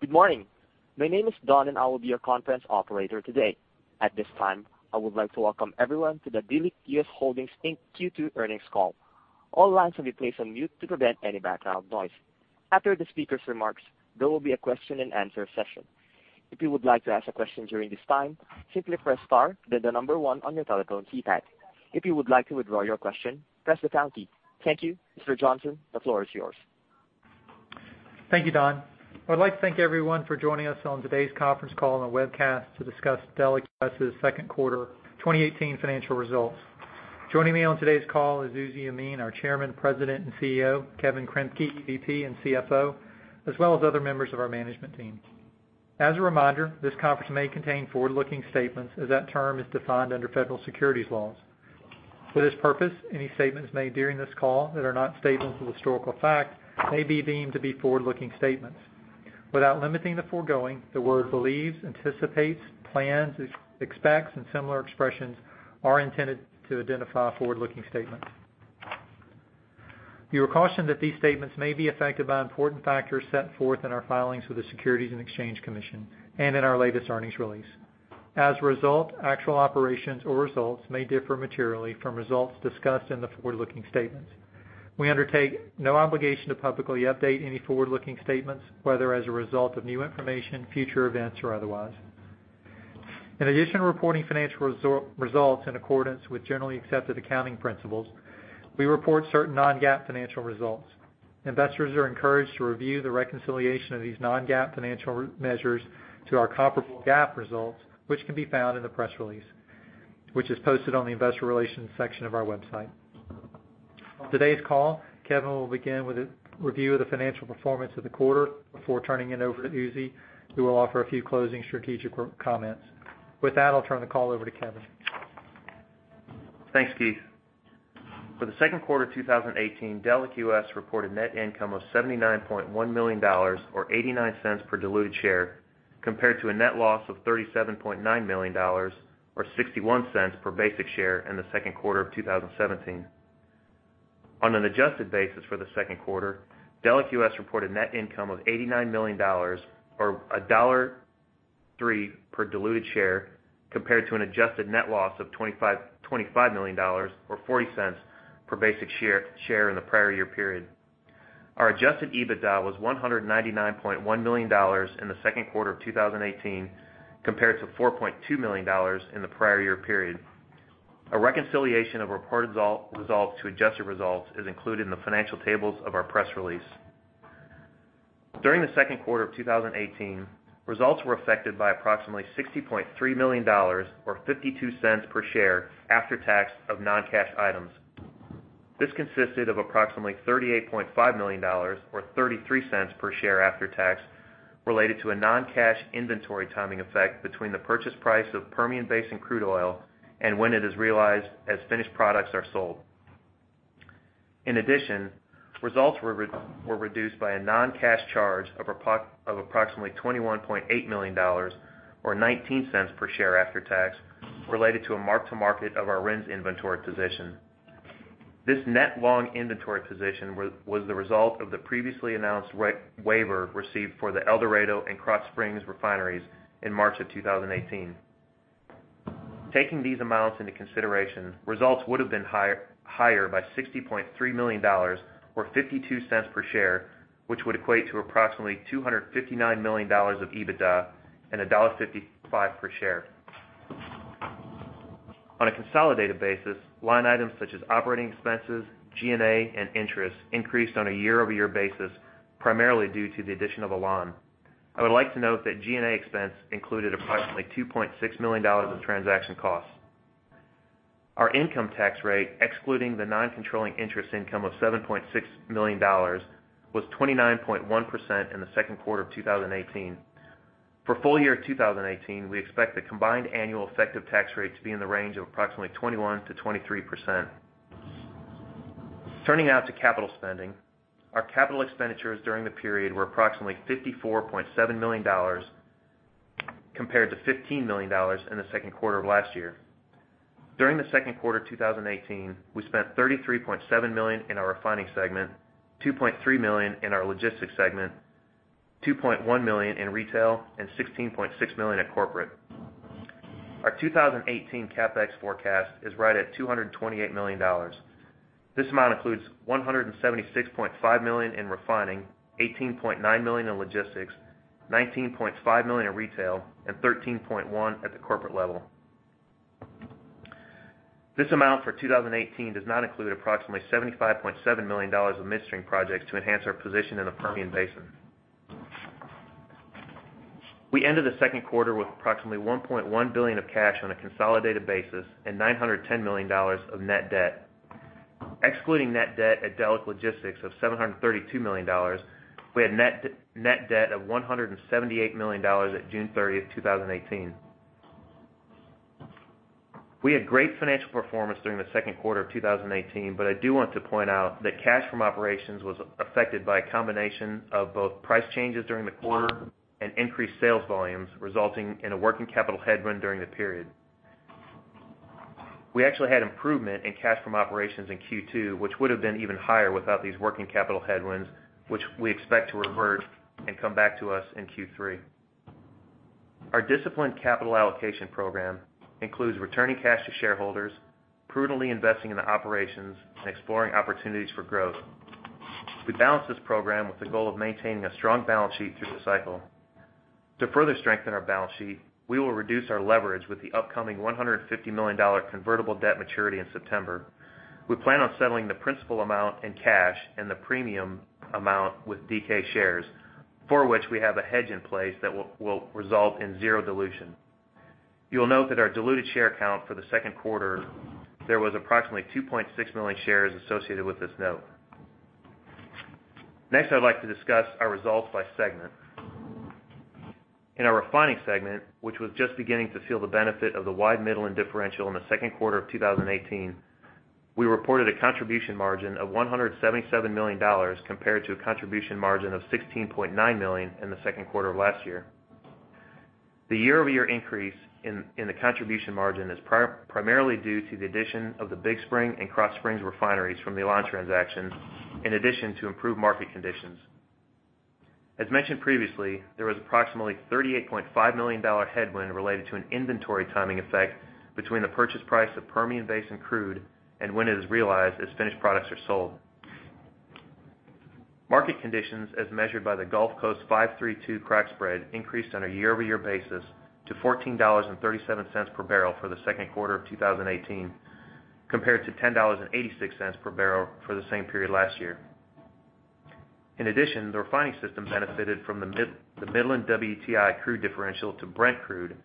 Good morning. My name is Don, and I will be your conference operator today. At this time, I would like to welcome everyone to the Delek US Holdings, Inc. Q2 earnings call. All lines will be placed on mute to prevent any background noise. After the speaker's remarks, there will be a question and answer session. If you would like to ask a question during this time, simply press star, then the number one on your telephone keypad. If you would like to withdraw your question, press the pound key. Thank you. Mr. Johnson, the floor is yours. Thank you, Don. I would like to thank everyone for joining us on today's conference call and webcast to discuss Delek US's second quarter 2018 financial results. Joining me on today's call is Uzi Yemin, our Chairman, President, and CEO, Kevin Kremke, EVP and CFO, as well as other members of our management team. As a reminder, this conference may contain forward-looking statements as that term is defined under federal securities laws. For this purpose, any statements made during this call that are not statements of historical fact may be deemed to be forward-looking statements. Without limiting the foregoing, the word believes, anticipates, plans, expects, and similar expressions are intended to identify forward-looking statements. You are cautioned that these statements may be affected by important factors set forth in our filings with the Securities and Exchange Commission and in our latest earnings release. As a result, actual operations or results may differ materially from results discussed in the forward-looking statements. We undertake no obligation to publicly update any forward-looking statements, whether as a result of new information, future events, or otherwise. In addition to reporting financial results in accordance with generally accepted accounting principles, we report certain non-GAAP financial results. Investors are encouraged to review the reconciliation of these non-GAAP financial measures to our comparable GAAP results, which can be found in the press release, which is posted on the investor relations section of our website. On today's call, Kevin will begin with a review of the financial performance of the quarter before turning it over to Uzi, who will offer a few closing strategic comments. With that, I'll turn the call over to Kevin. Thanks, Keith. For the second quarter 2018, Delek US reported net income of $79.1 million, or $0.89 per diluted share, compared to a net loss of $37.9 million or $0.61 per basic share in the second quarter of 2017. On an adjusted basis for the second quarter, Delek US reported net income of $89 million or $1.03 per diluted share compared to an adjusted net loss of $25 million or $0.40 per basic share in the prior year period. Our adjusted EBITDA was $199.1 million in the second quarter of 2018, compared to $4.2 million in the prior year period. A reconciliation of reported results to adjusted results is included in the financial tables of our press release. During the second quarter of 2018, results were affected by approximately $60.3 million or $0.52 per share after tax of non-cash items. This consisted of approximately $38.5 million or $0.33 per share after tax related to a non-cash inventory timing effect between the purchase price of Permian Basin crude oil and when it is realized as finished products are sold. In addition, results were reduced by a non-cash charge of approximately $21.8 million or $0.19 per share after tax related to a mark-to-market of our RINS inventory position. This net long inventory position was the result of the previously announced waiver received for the El Dorado and Krotz Springs refineries in March of 2018. Taking these amounts into consideration, results would have been higher by $60.3 million or $0.52 per share, which would equate to approximately $259 million of EBITDA and $1.55 per share. On a consolidated basis, line items such as operating expenses, G&A, and interest increased on a year-over-year basis, primarily due to the addition of Alon. I would like to note that G&A expense included approximately $2.6 million in transaction costs. Our income tax rate, excluding the non-controlling interest income of $7.6 million, was 29.1% in the second quarter of 2018. For full year 2018, we expect the combined annual effective tax rate to be in the range of approximately 21%-23%. Turning now to capital spending. Our capital expenditures during the period were approximately $54.7 million compared to $15 million in the second quarter of last year. During the second quarter 2018, we spent $33.7 million in our refining segment, $2.3 million in our logistics segment, $2.1 million in retail, and $16.6 million at corporate. Our 2018 CapEx forecast is right at $228 million. This amount includes $176.5 million in refining, $18.9 million in logistics, $19.5 million in retail, and $13.1 at the corporate level. This amount for 2018 does not include approximately $75.7 million of midstream projects to enhance our position in the Permian Basin. We ended the second quarter with approximately $1.1 billion of cash on a consolidated basis and $910 million of net debt. Excluding net debt at Delek Logistics of $732 million, we had net debt of $178 million at June 30th, 2018. I do want to point out that cash from operations was affected by a combination of both price changes during the quarter and increased sales volumes, resulting in a working capital headwind during the period. We actually had improvement in cash from operations in Q2, which would have been even higher without these working capital headwinds, which we expect to revert and come back to us in Q3. Our disciplined capital allocation program includes returning cash to shareholders, prudently investing in the operations, and exploring opportunities for growth. We balance this program with the goal of maintaining a strong balance sheet through the cycle. To further strengthen our balance sheet, we will reduce our leverage with the upcoming $150 million convertible debt maturity in September. We plan on settling the principal amount in cash and the premium amount with DK shares, for which we have a hedge in place that will result in zero dilution. You'll note that our diluted share count for the second quarter, there was approximately 2.6 million shares associated with this note. Next, I'd like to discuss our results by segment. In our refining segment, which was just beginning to feel the benefit of the wide Midland differential in the second quarter of 2018, we reported a contribution margin of $177 million compared to a contribution margin of $16.9 million in the second quarter of last year. The year-over-year increase in the contribution margin is primarily due to the addition of the Big Spring and Krotz Springs refineries from the Alon transaction, in addition to improved market conditions. As mentioned previously, there was approximately $38.5 million headwind related to an inventory timing effect between the purchase price of Permian Basin crude and when it is realized as finished products are sold. Market conditions as measured by the Gulf Coast 5-3-2 crack spread increased on a year-over-year basis to $14.37 per barrel for the second quarter of 2018 compared to $10.86 per barrel for the same period last year. The refining system benefited from the Midland WTI crude differential to Brent crude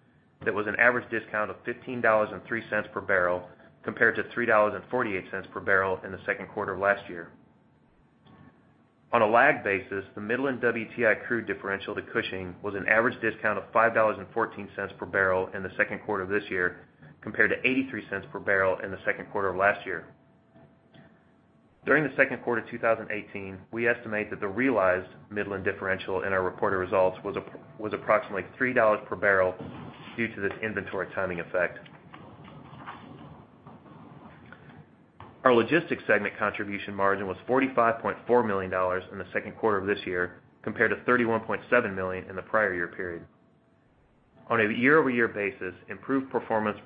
that was an average discount of $15.03 per barrel compared to $3.48 per barrel in the second quarter of last year. On a lag basis, the Midland WTI crude differential to Cushing was an average discount of $5.14 per barrel in the second quarter of this year compared to $0.83 per barrel in the second quarter of last year. During the second quarter 2018, we estimate that the realized Midland differential in our reported results was approximately $3 per barrel due to this inventory timing effect. Our logistics segment contribution margin was $45.4 million in the second quarter of this year compared to $31.7 million in the prior year period. Improved performance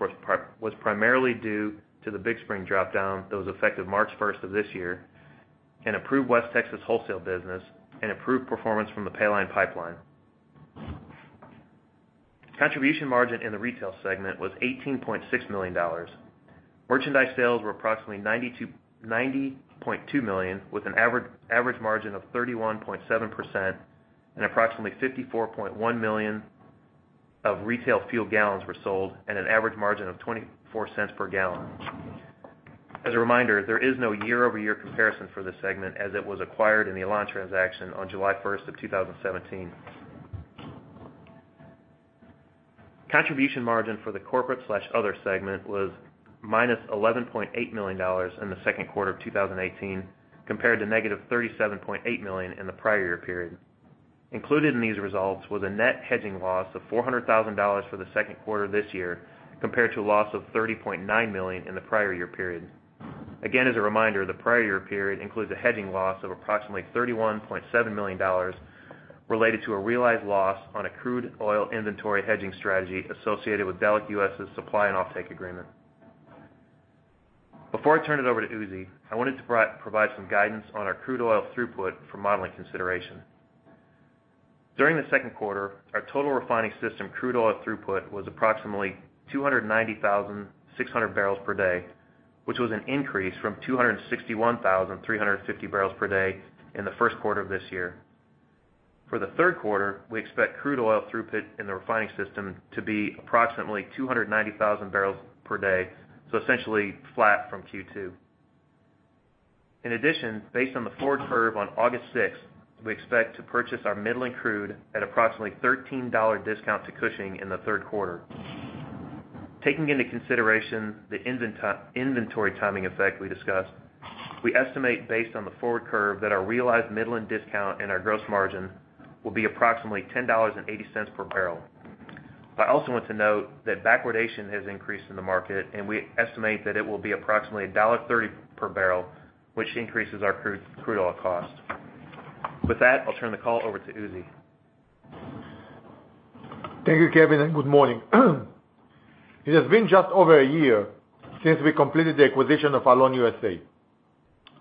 was primarily due to the Big Spring dropdown that was effective March 1st of this year, an improved West Texas wholesale business, and improved performance from the Paline Pipeline. Contribution margin in the retail segment was $18.6 million. Merchandise sales were approximately $90.2 million, with an average margin of 31.7%, and approximately 54.1 million of retail fuel gallons were sold at an average margin of $0.24 per gallon. As a reminder, there is no year-over-year comparison for this segment as it was acquired in the Alon transaction on July 1st of 2017. Contribution margin for the corporate/other segment was -$11.8 million in the second quarter of 2018 compared to -$37.8 million in the prior year period. Included in these results was a net hedging loss of $400,000 for the second quarter this year compared to a loss of $30.9 million in the prior year period. As a reminder, the prior year period includes a hedging loss of approximately $31.7 million related to a realized loss on a crude oil inventory hedging strategy associated with Delek US's supply and offtake agreement. Before I turn it over to Uzi, I wanted to provide some guidance on our crude oil throughput for modeling consideration. During the second quarter, our total refining system crude oil throughput was approximately 290,600 barrels per day, which was an increase from 261,350 barrels per day in the first quarter of this year. For the third quarter, we expect crude oil throughput in the refining system to be approximately 290,000 barrels per day, so essentially flat from Q2. In addition, based on the forward curve on August 6th, we expect to purchase our Midland crude at approximately $13 discount to Cushing in the third quarter. Taking into consideration the inventory timing effect we discussed, we estimate based on the forward curve that our realized Midland discount and our gross margin will be approximately $10.80 per barrel. We estimate that it will be approximately $1.30 per barrel, which increases our crude oil cost. With that, I'll turn the call over to Uzi. Thank you, Kevin, and good morning. It has been just over a year since we completed the acquisition of Alon USA.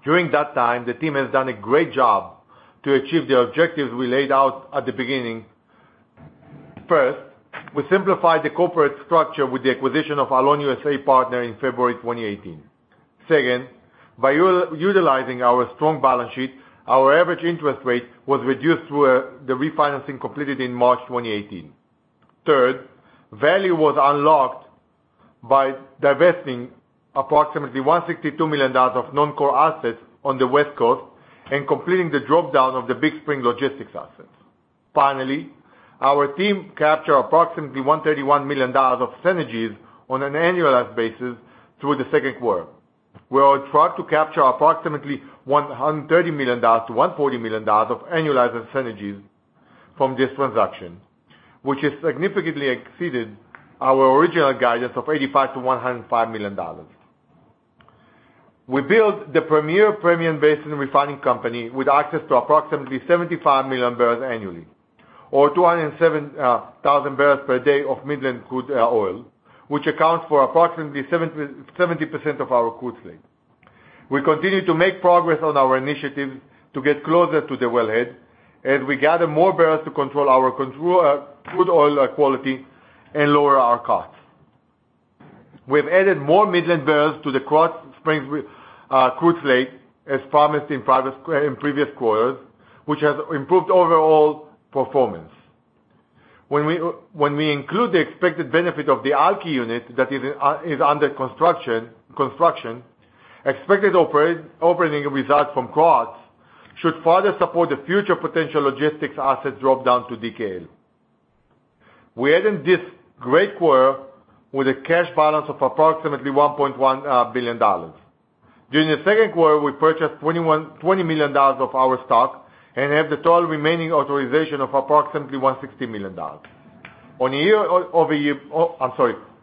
During that time, the team has done a great job to achieve the objectives we laid out at the beginning. First, we simplified the corporate structure with the acquisition of Alon USA Partners in February 2018. Second, by utilizing our strong balance sheet, our average interest rate was reduced through the refinancing completed in March 2018. Third, value was unlocked by divesting approximately $162 million of non-core assets on the West Coast and completing the dropdown of the Big Spring logistics assets. Finally, our team captured approximately $131 million of synergies on an annualized basis through the second quarter. We are on track to capture approximately $130 million-$140 million of annualized synergies from this transaction, which has significantly exceeded our original guidance of $85 million-$105 million. We built the Permian Basin refining company with access to approximately 75 million barrels annually, or 207,000 barrels per day of Midland crude oil, which accounts for approximately 70% of our crude slate. We continue to make progress on our initiatives to get closer to the wellhead, as we gather more barrels to control our crude oil quality and lower our costs. We've added more Midland barrels to the Krotz Springs crude slate as promised in previous quarters, which has improved overall performance. When we include the expected benefit of the Alky unit that is under construction, expected operating results from Krotz should further support the future potential logistics assets dropped down to DKL. We ended this great quarter with a cash balance of approximately $1.1 billion. During the second quarter, we purchased $20 million of our stock and have the total remaining authorization of approximately $160 million.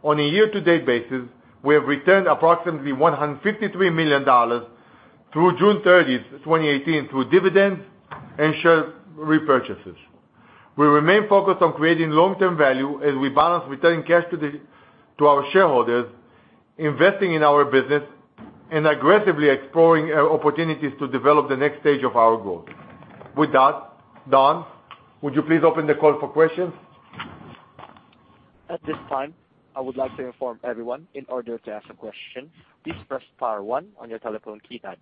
On a year-to-date basis, we have returned approximately $153 million through June 30th, 2018, through dividends and share repurchases. We remain focused on creating long-term value as we balance returning cash to our shareholders, investing in our business, aggressively exploring opportunities to develop the next stage of our growth. With that, Don, would you please open the call for questions? At this time, I would like to inform everyone, in order to ask a question, please press star one on your telephone keypad.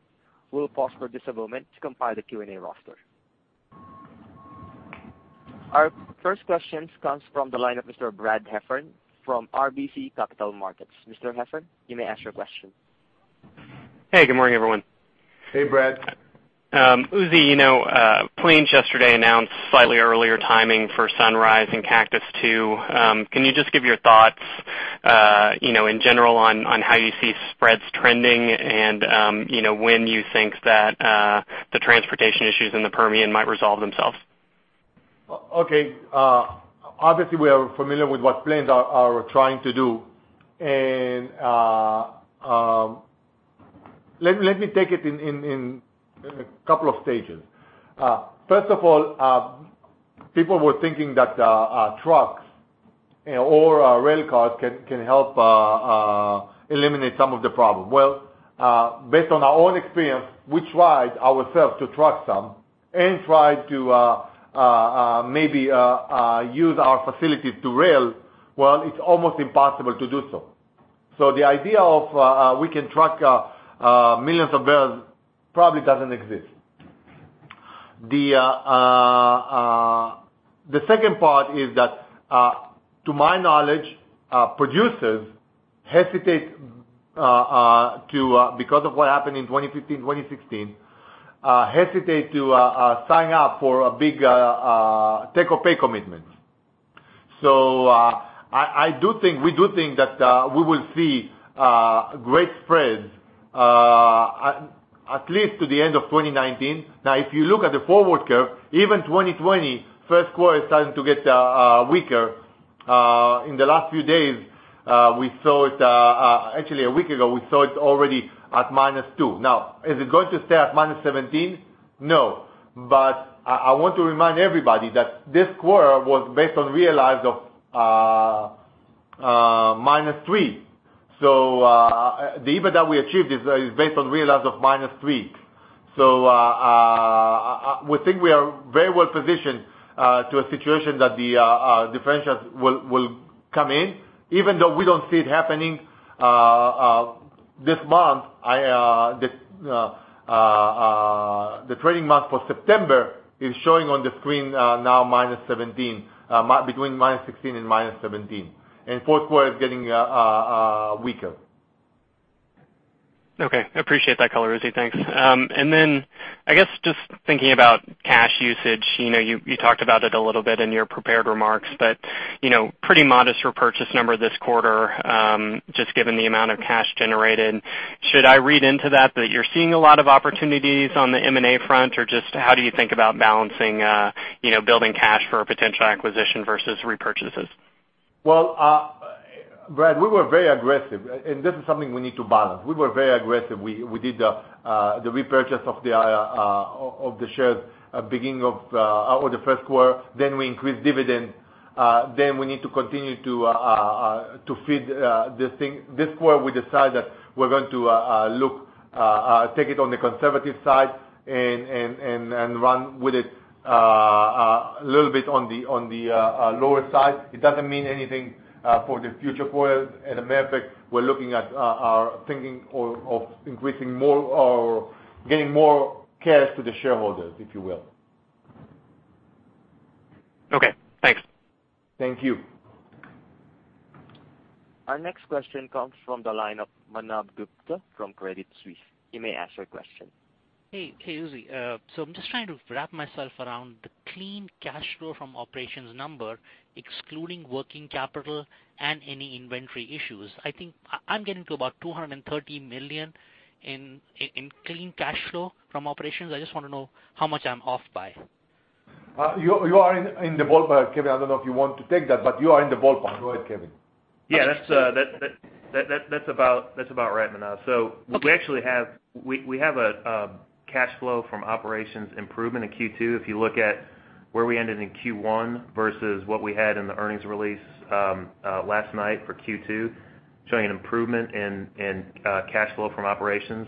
We'll pause for just a moment to compile the Q&A roster. Our first question comes from the line of Mr. Brad Heffern from RBC Capital Markets. Mr. Heffern, you may ask your question. Hey, good morning, everyone. Hey, Brad. Uzi, Plains yesterday announced slightly earlier timing for Sunrise and Cactus II. Can you just give your thoughts, in general, on how you see spreads trending and when you think that the transportation issues in the Permian might resolve themselves? Okay. Obviously, we are familiar with what Plains are trying to do. Let me take it in 2 stages. First of all, people were thinking that trucks or rail cars can help eliminate some of the problem. Well, based on our own experience, we tried ourselves to truck some and tried to maybe use our facilities to rail. Well, it's almost impossible to do so. The idea of we can truck millions of barrels probably doesn't exist. The second part is that, to my knowledge, producers hesitate to, because of what happened in 2015, 2016, hesitate to sign up for a big take-or-pay commitment. We do think that we will see great spreads at least to the end of 2019. If you look at the forward curve, even 2020, first quarter is starting to get weaker. In the last few days, actually a week ago, we saw it already at -2. Is it going to stay at -17? No. I want to remind everybody that this quarter was based on realized of -3. The EBITDA we achieved is based on realized of -3. We think we are very well positioned to a situation that the differentials will come in, even though we don't see it happening this month. The trading month for September is showing on the screen now -17, between -16 and -17, and fourth quarter is getting weaker. Okay. Appreciate that color, Uzi. Thanks. I guess, just thinking about cash usage. You talked about it a little bit in your prepared remarks, pretty modest repurchase number this quarter, just given the amount of cash generated. Should I read into that that you're seeing a lot of opportunities on the M&A front? Just how do you think about balancing building cash for a potential acquisition versus repurchases? Well, Brad, we were very aggressive, and this is something we need to balance. We were very aggressive. We did the repurchase of the shares at the beginning of the first quarter, we increased dividend. We need to continue to feed this thing. This quarter, we decided that we're going to take it on the conservative side and run with it a little bit on the lower side. It doesn't mean anything for the future quarters. As a matter of fact, we're looking at our thinking of increasing more or getting more cash to the shareholders, if you will. Okay, thanks. Thank you. Our next question comes from the line of Manav Gupta from Credit Suisse. You may ask your question. Hey, Uzi. I'm just trying to wrap myself around the clean cash flow from operations number, excluding working capital and any inventory issues. I think I'm getting to about $230 million in clean cash flow from operations. I just want to know how much I'm off by. You are in the ballpark, Kevin. I don't know if you want to take that, but you are in the ballpark. Go ahead, Kevin. Yeah, that's about right, Manav. Okay. We have a cash flow from operations improvement in Q2. If you look at where we ended in Q1 versus what we had in the earnings release last night for Q2, showing an improvement in cash flow from operations.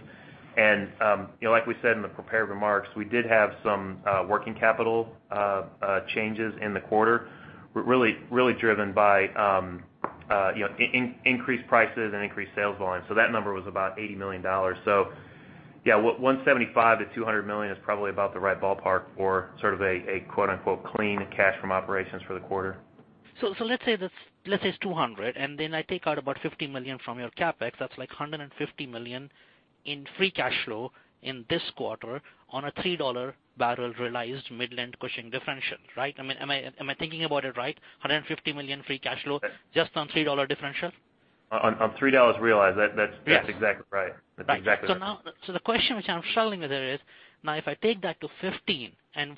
Like we said in the prepared remarks, we did have some working capital changes in the quarter, really driven by increased prices and increased sales volume. That number was about $80 million. Yeah, $175 million-$200 million is probably about the right ballpark for sort of a "clean cash from operations" for the quarter. Let's say it's $200 million, then I take out about $50 million from your CapEx. That's like $150 million in free cash flow in this quarter on a $3 barrel realized Midland Cushing differential, right? Am I thinking about it right? $150 million free cash flow just on $3 differential? On $3 realized, that's exactly right. Right. The question which I'm struggling with there is, now if I take that to $15,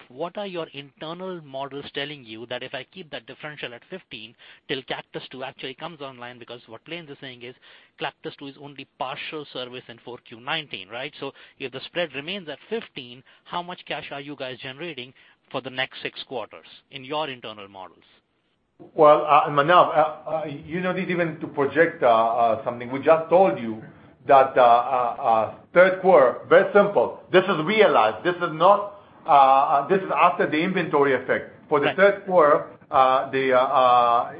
what are your internal models telling you that if I keep that differential at $15 till Cactus II actually comes online, because what Plains is saying is Cactus II is only partial service in 4Q 2019, right? If the spread remains at $15, how much cash are you guys generating for the next six quarters in your internal models? Well, Manav, you don't need even to project something. We just told you that third quarter, very simple. This is realized. This is after the inventory effect. Right. For the third quarter,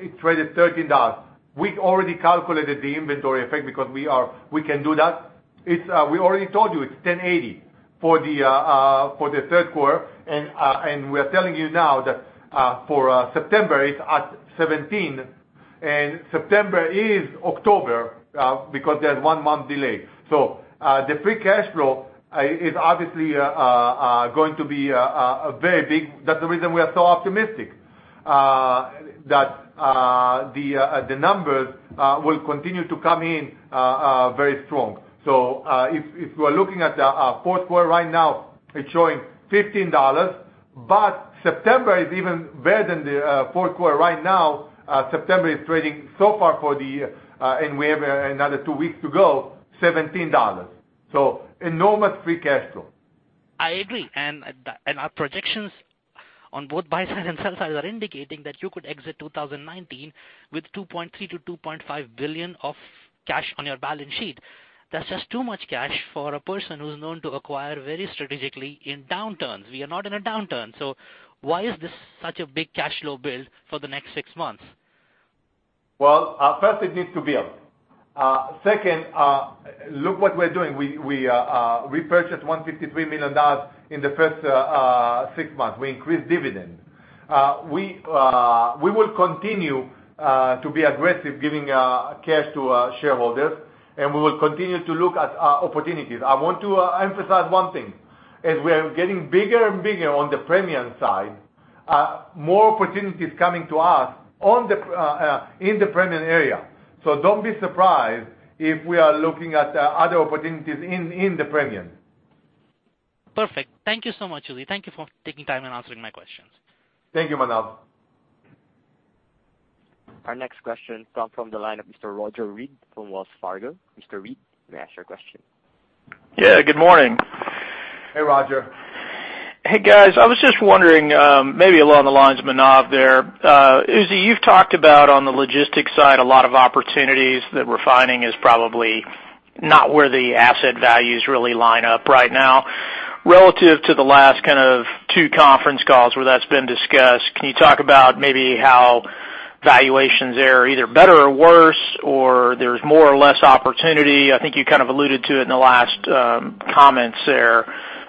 it traded $13. We already calculated the inventory effect because we can do that. We already told you it's $10.80 for the third quarter. We're telling you now that for September, it's at $17. September is October, because there's one month delay. The free cash flow is obviously going to be very big. That's the reason we are so optimistic. That the numbers will continue to come in very strong. If you are looking at the fourth quarter right now, it's showing $15. September is even better than the fourth quarter right now. September is trading so far for the year, and we have another two weeks to go, $17. Enormous free cash flow. I agree. Our projections on both buy side and sell side are indicating that you could exit 2019 with $2.3 billion-$2.5 billion of cash on your balance sheet. That's just too much cash for a person who's known to acquire very strategically in downturns. We are not in a downturn. Why is this such a big cash flow build for the next six months? Well, first, it needs to build. Second, look what we're doing. We purchased $153 million in the first six months. We increased dividends. We will continue to be aggressive giving cash to shareholders. We will continue to look at opportunities. I want to emphasize one thing. As we are getting bigger and bigger on the Permian side, more opportunities coming to us in the Permian area. Don't be surprised if we are looking at other opportunities in the Permian. Perfect. Thank you so much, Uzi. Thank you for taking time and answering my questions. Thank you, Manav. Our next question comes from the line of Mr. Roger Read from Wells Fargo. Mr. Read, you may ask your question. Yeah, good morning. Hey, Roger. Hey, guys. I was just wondering, maybe along the lines of Manav there. Uzi, you've talked about on the logistics side, a lot of opportunities that refining is probably not where the asset values really line up right now. Relative to the last kind of two conference calls where that's been discussed, can you talk about maybe how valuations there are either better or worse, or there's more or less opportunity? I think you kind of alluded to it in the last comments there,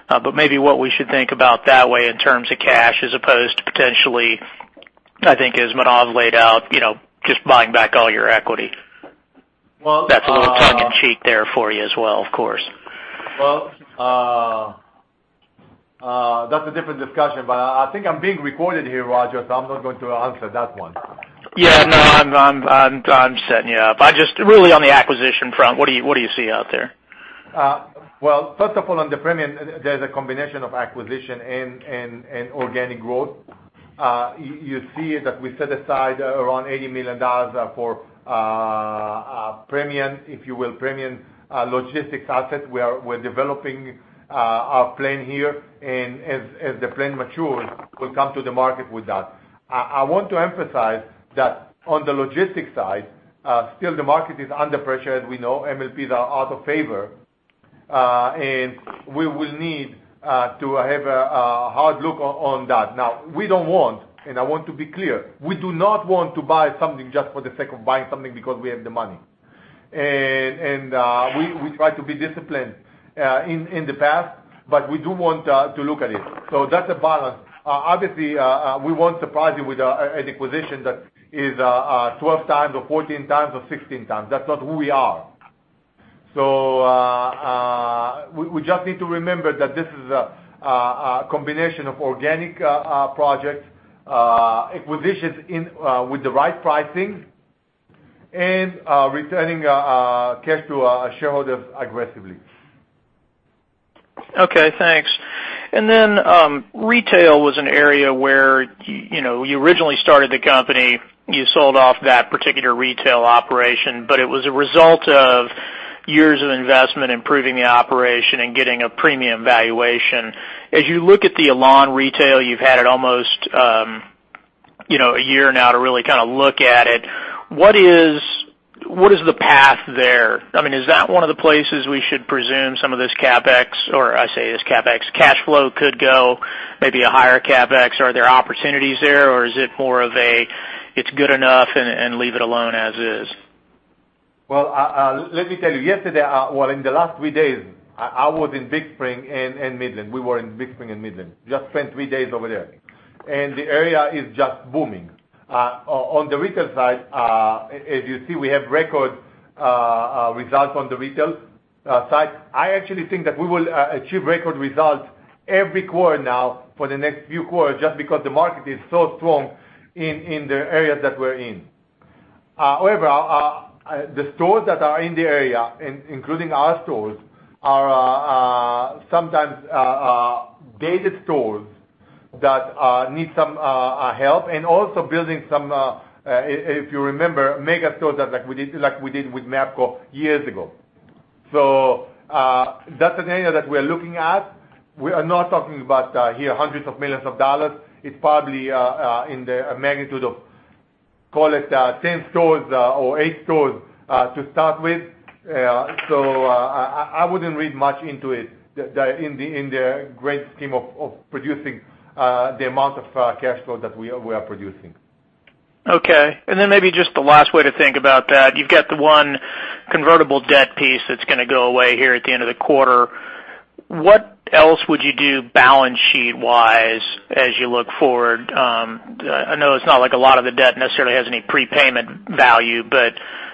but maybe what we should think about that way in terms of cash as opposed to potentially, I think as Manav laid out, just buying back all your equity. Well- That's a little tongue in cheek there for you as well, of course. That's a different discussion, but I think I'm being recorded here, Roger, I'm not going to answer that one. I'm setting you up. Just really on the acquisition front, what do you see out there? First of all, on the Permian, there's a combination of acquisition and organic growth. You see that we set aside around $80 million for Permian, if you will, Permian logistics asset. We're developing our plan here, as the plan matures, we'll come to the market with that. I want to emphasize that on the logistics side, still the market is under pressure as we know. MLPs are out of favor. We will need to have a hard look on that. We don't want, and I want to be clear, we do not want to buy something just for the sake of buying something because we have the money. We tried to be disciplined in the past, but we do want to look at it. That's a balance. Obviously, we won't surprise you with an acquisition that is 12 times or 14 times or 16 times. That's not who we are. We just need to remember that this is a combination of organic projects, acquisitions with the right pricing and returning cash to our shareholders aggressively. Okay, thanks. Retail was an area where you originally started the company, you sold off that particular retail operation, but it was a result of years of investment, improving the operation, and getting a premium valuation. As you look at the Alon retail, you've had it almost a year now to really look at it. What is the path there? Is that one of the places we should presume some of this CapEx, or I say this CapEx cash flow could go, maybe a higher CapEx? Are there opportunities there or is it more of a, it's good enough and leave it alone as is? Well, let me tell you. Yesterday, well, in the last three days, I was in Big Spring in Midland. We were in Big Spring in Midland, just spent three days over there. The area is just booming. On the retail side, as you see, we have record results on the retail side. I actually think that we will achieve record results every quarter now for the next few quarters just because the market is so strong in the areas that we're in. However, the stores that are in the area, including our stores, are sometimes dated stores that need some help, and also building some, if you remember, mega stores like we did with MAPCO years ago. That's an area that we're looking at. We are not talking about here $hundreds of millions. It's probably in the magnitude of, call it, 10 stores or eight stores to start with. I wouldn't read much into it in the great scheme of producing the amount of cash flow that we are producing. Okay. Then maybe just the last way to think about that, you've got the one convertible debt piece that's going to go away here at the end of the quarter. What else would you do balance sheet-wise as you look forward? I know it's not like a lot of the debt necessarily has any prepayment value, but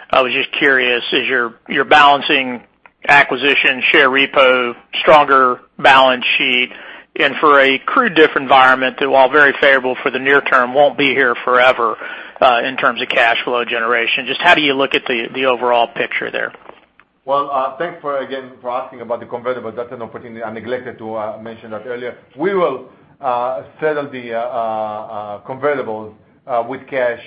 I was just curious, as you're balancing acquisition, share repo, stronger balance sheet, and for a crude diff environment, though while very favorable for the near term, won't be here forever, in terms of cash flow generation. Just how do you look at the overall picture there? Well, thanks again for asking about the convertible. That's an opportunity I neglected to mention that earlier. We will settle the convertibles with cash,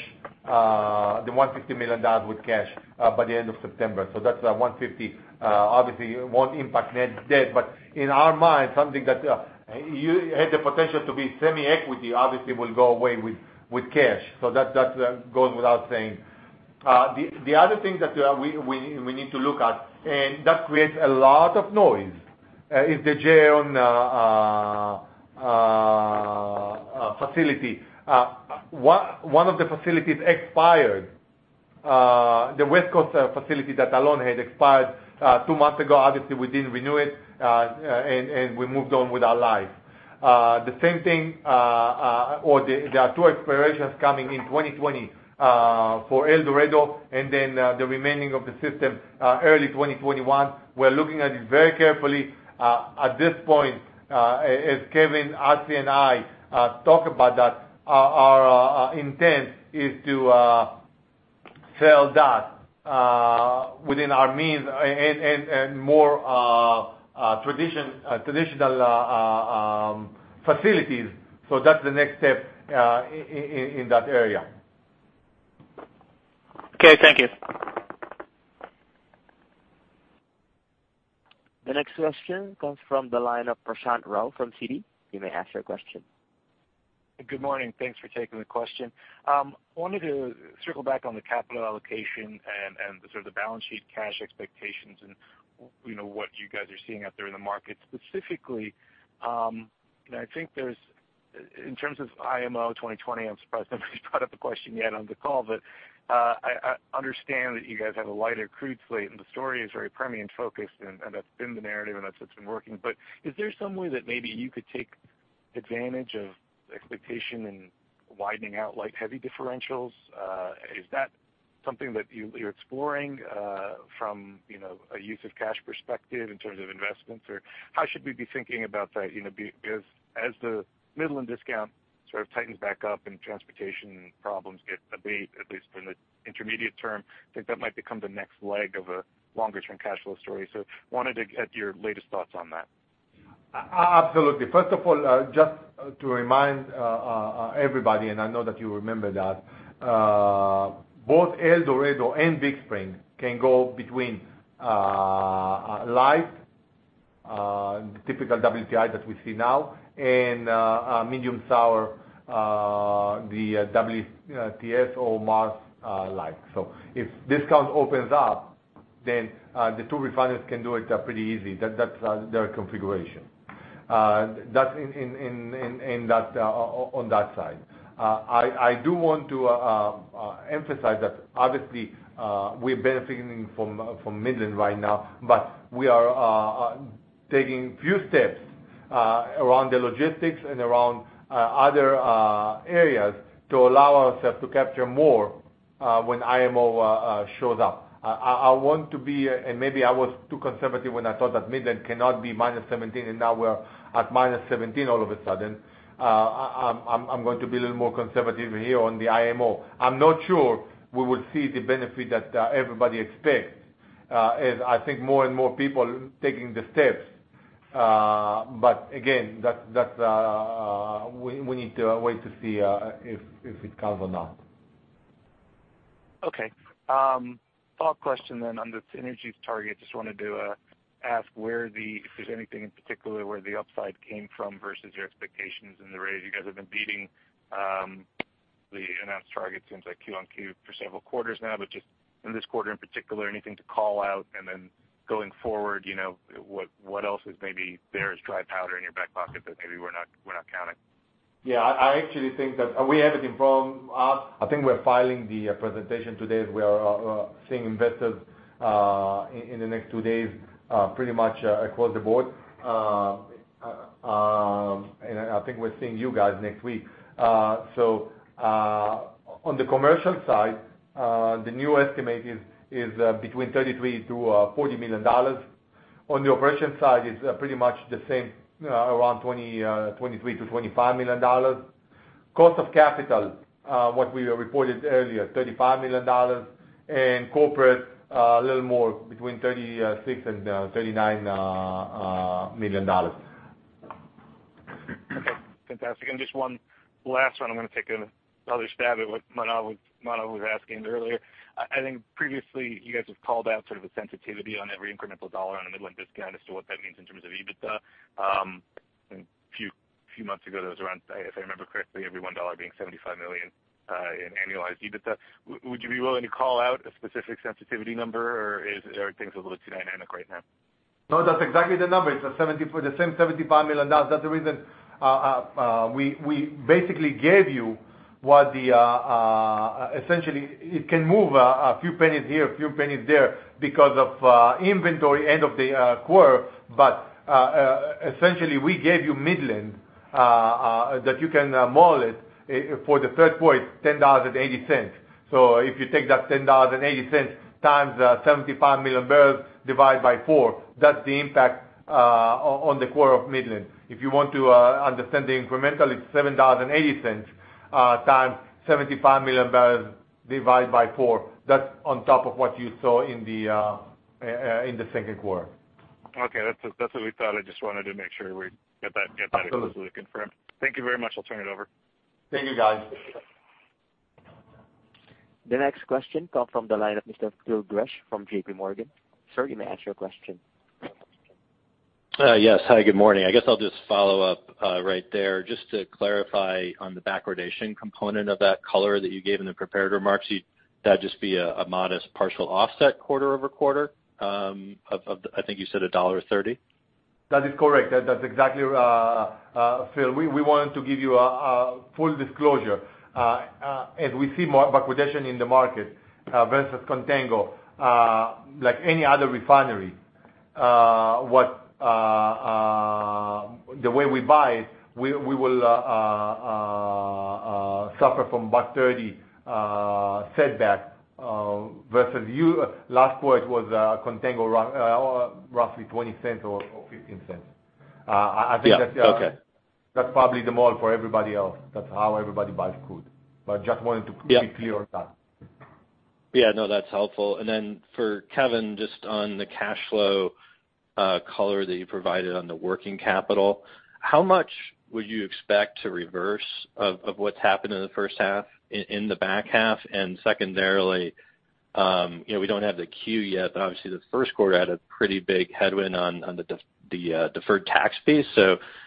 the $150 million with cash, by the end of September. That's $150, obviously, won't impact net debt, but in our mind, something that had the potential to be semi-equity obviously will go away with cash. That goes without saying. The other thing that we need to look at, and that creates a lot of noise, is the J. Aron facility. One of the facilities expired, the West Coast facility that Alon had expired two months ago. Obviously, we didn't renew it, and we moved on with our lives. The same thing or there are two expirations coming in 2020, for El Dorado, and then, the remaining of the system, early 2021. We're looking at it very carefully. At this point, as Kevin, Assi, and I talk about that, our intent is to sell that within our means and more traditional facilities. That's the next step in that area. Okay, thank you. The next question comes from the line of Prashant Rao from Citi. You may ask your question. Good morning. Thanks for taking the question. I wanted to circle back on the capital allocation and the sort of the balance sheet cash expectations, what you guys are seeing out there in the market. Specifically, I think there's, in terms of IMO 2020, I'm surprised nobody's brought up the question yet on the call, but I understand that you guys have a lighter crude slate, and the story is very Permian-focused, and that's been the narrative, and that's what's been working. Is there some way that maybe you could take advantage of expectation and widening out light, heavy differentials? Is that something that you're exploring from a use of cash perspective in terms of investments? Or how should we be thinking about that as the Midland discount sort of tightens back up and transportation problems get abated, at least in the intermediate term? I think that might become the next leg of a longer-term cash flow story. Wanted to get your latest thoughts on that. Absolutely. First of all, just to remind everybody, and I know that you remember that, both El Dorado and Big Spring can go between light, typical WTI that we see now, and medium sour, the WTS or Mars like. If discount opens up, then the two refiners can do it pretty easy. That's their configuration. That's on that side. I do want to emphasize that obviously, we're benefiting from Midland right now, but we are taking few steps around the logistics and around other areas to allow ourselves to capture more when IMO shows up. I want to be, maybe I was too conservative when I thought that Midland cannot be -17, and now we're at -17 all of a sudden. I'm going to be a little more conservative here on the IMO. I'm not sure we will see the benefit that everybody expects, as I think more and more people taking the steps. Again, we need to wait to see if it comes or not. Okay. Follow-up question on this synergies target. Just wanted to ask if there's anything in particular where the upside came from versus your expectations in the rate? You guys have been beating the announced target, it seems like Q on Q for several quarters now, but just in this quarter in particular, anything to call out? Going forward, what else is maybe there as dry powder in your back pocket that maybe we're not counting? I actually think that we have it involved. I think we're filing the presentation today, as we are seeing investors in the next two days pretty much across the board. I think we're seeing you guys next week. On the commercial side, the new estimate is between $33 million-$40 million. On the operation side, it's pretty much the same, around $23 million-$25 million. Cost of capital, what we reported earlier, $35 million. Corporate, a little more, between $36 million and $39 million. Okay, fantastic. Just one last one. I'm going to take another stab at what Manav was asking earlier. I think previously you guys have called out sort of a sensitivity on every incremental dollar on a Midland discount as to what that means in terms of EBITDA. A few months ago, that was around, if I remember correctly, every $1 being $75 million in annualized EBITDA. Would you be willing to call out a specific sensitivity number, or are things a little too dynamic right now? No, that's exactly the number. It's the same $75 million. That's the reason we basically gave you. Essentially, it can move a few pennies here, a few pennies there because of inventory end of the quarter. Essentially, we gave you Midland, that you can model it for the third quarter, $10.80. If you take that $10.80 times 75 million barrels divide by four, that's the impact on the quarter of Midland. If you want to understand the incremental, it's $7.80 times 75 million barrels divide by four. That's on top of what you saw in the second quarter. Okay. That's what we thought. I just wanted to make sure we got that- Absolutely completely confirmed. Thank you very much. I'll turn it over. Thank you, guys. The next question comes from the line of Mr. Phil Gresh from JPMorgan. Sir, you may ask your question. Yes. Hi, good morning. I guess I'll just follow up right there just to clarify on the backwardation component of that color that you gave in the prepared remarks. That'd just be a modest partial offset quarter-over-quarter of, I think you said $1.30? That is correct. That's exactly, Phil. We wanted to give you a full disclosure. As we see more backwardation in the market versus contango, like any other refinery, the way we buy it, we will suffer from $1.30 setback, versus last quarter it was contango roughly $0.20 or $0.15. Yeah. Okay. That's probably the model for everybody else. That's how everybody buys crude. Yeah Be clear on that. That's helpful. Then for Kevin, just on the cash flow color that you provided on the working capital, how much would you expect to reverse of what's happened in the first half, in the back half? Secondarily, we don't have the Q yet, but obviously the first quarter had a pretty big headwind on the deferred tax piece.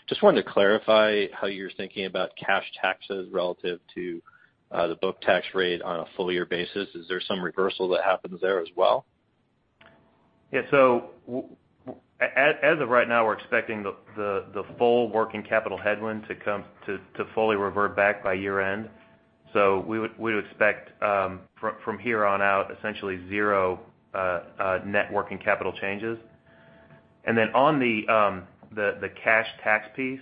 Just wanted to clarify how you're thinking about cash taxes relative to the book tax rate on a full-year basis. Is there some reversal that happens there as well? As of right now, we're expecting the full working capital headwind to fully revert back by year-end. We would expect from here on out, essentially zero net working capital changes. Then on the cash tax piece,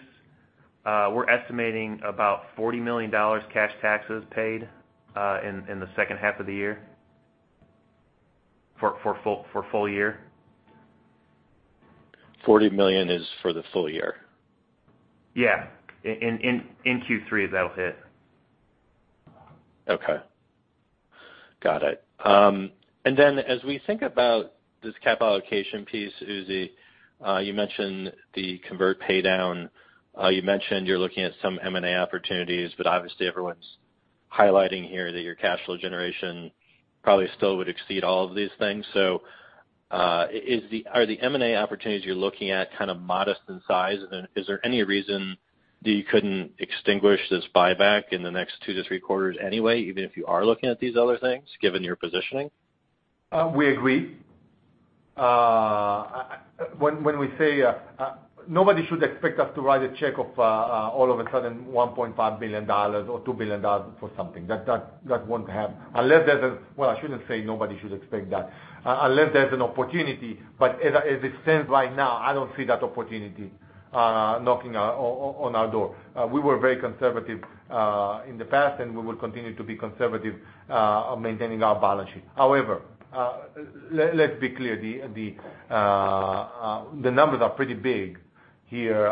we're estimating about $40 million cash taxes paid in the second half of the year for full year. $40 million is for the full year? Yeah. In Q3 that'll hit. Okay. Got it. Then as we think about this cap allocation piece, Uzi, you mentioned the convert pay down. You mentioned you're looking at some M&A opportunities, obviously everyone's highlighting here that your cash flow generation probably still would exceed all of these things. Are the M&A opportunities you're looking at kind of modest in size? Then is there any reason that you couldn't extinguish this buyback in the next two to three quarters anyway, even if you are looking at these other things, given your positioning? We agree. When we say Nobody should expect us to write a check of all of a sudden $1.5 billion or $2 billion for something. That won't happen. Well, I shouldn't say nobody should expect that. Unless there's an opportunity, as it stands right now, I don't see that opportunity knocking on our door. We were very conservative in the past, and we will continue to be conservative maintaining our balance sheet. However, let's be clear. The numbers are pretty big Here